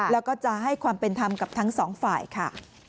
แล้วก็จะให้ความเป็นธรรมกับทั้งสองฝ่ายค่ะ